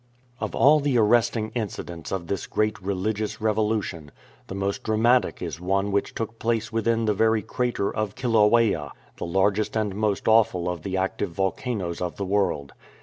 Of all the arresting incidents of this great religious revo lution, the most dramatic is one which took place within the very crater of Kilauea, the largest and most awful of the active volcanoes of the world.